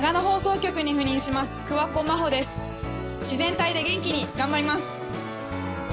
自然体で元気に頑張ります。